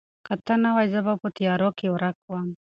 که ته نه وای، زه به په تیارو کې ورک وم.